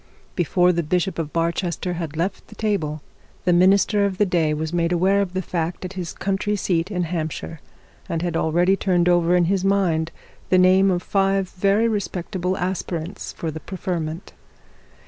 Before the bishop of Barchester had left the table, the minister of the day was made aware of the fact at his country seat in Hampshire, and had already turned over in his mind the names of five very respectable aspirants for the preferment.